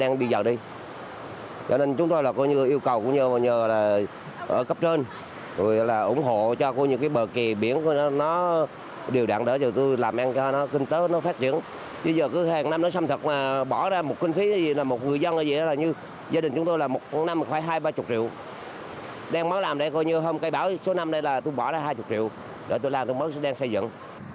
gia đình chúng tôi là một con năm khoảng hai mươi ba mươi triệu đang mới làm đây hôm cây bão số năm đây là tôi bỏ ra hai mươi triệu đã tôi làm tôi mới đang xây dựng